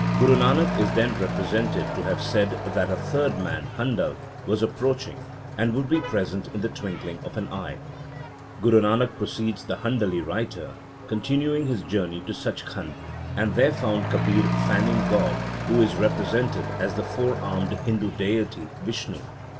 Guru Nanak is then represented to have said that a third man, Handal, was approaching, and would be present in the twinkling of an eye. Guru Nanak, proceeds the Handali writer, continued his journey to Sach Khand, and there found Kabir fanning God, who is represented as the four armed Hindu deity Vishnu.